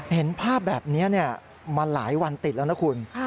เห็นภาพแบบนี้มาหลายวันติดแล้วนะคุณ